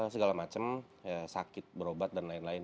segala macam sakit berobat dan lain lain